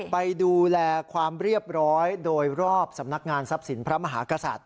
ไปดูแลความเรียบร้อยโดยรอบสำนักงานทรัพย์สินพระมหากษัตริย